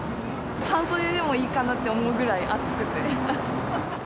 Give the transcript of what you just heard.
半袖でもいいかなと思うぐらい暑くて。